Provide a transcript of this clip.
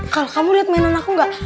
kalau kamu lihat mainan aku nggak